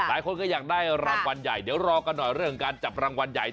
หลายคนก็อยากได้รางวัลใหญ่เดี๋ยวรอกันหน่อยเรื่องการจับรางวัลใหญ่